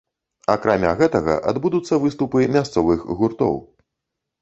Акрамя гэтага адбудуцца выступы мясцовых гуртоў.